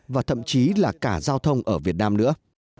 và thậm chí là cả giao thông ở việt nam nữa